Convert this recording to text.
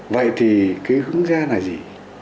vậy thì cái hướng ra là gì